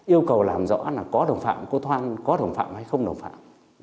yêu cầu làm rõ là có đồng phạm cô thoan có đồng phạm hay không đồng phạm